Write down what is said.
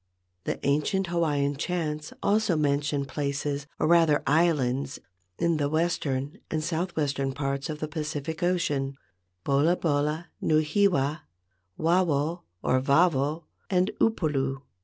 The ancient Hawaiian chants also mention places or rather islands in the western and southwestern parts of the Pacific Ocean, as Bolabola, Nuuhiwa, Wawau or Vavau, and Upolu.